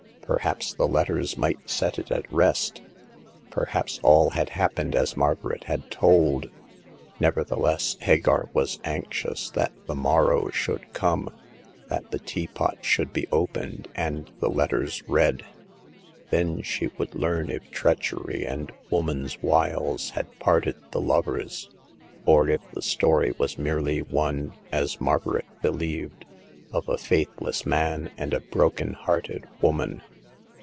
Perhaps the letters might set it at rest ; perhaps all had happened as Margaret had told. Nevertheless, Hagar was anxious that the morrow should come— that the 1 68 Hagar of the Pawn Shop. teapot should be opened and the letters read. Then she would learn if treachery and woman's wiles had parted the lovers, or if the story was merely one— as Margaret believed — of a faithless man and a broken hearted woman.